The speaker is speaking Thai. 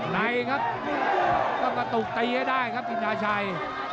ไหนยครับก็กระตุกตีให้ได้ครับจินตาชัย